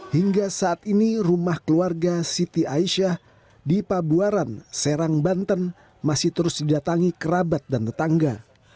hingga saat ini rumah keluarga siti aisyah di pabuaran serang banten masih terus didatangi kerabat dan tetangga